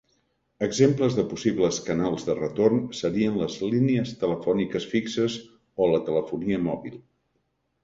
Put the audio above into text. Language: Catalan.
Exemples de possibles canals de retorn serien les línies telefòniques fixes o la telefonia mòbil.